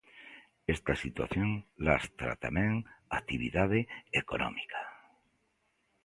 Esta situación lastra tamén a actividade económica.